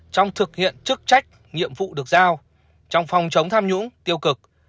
trong thực hiện chức trách nhiệm vụ được giao trong phòng chống tham nhũng tiêu cực